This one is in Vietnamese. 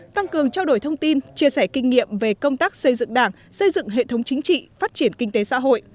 tăng cường trao đổi thông tin chia sẻ kinh nghiệm về công tác xây dựng đảng xây dựng hệ thống chính trị phát triển kinh tế xã hội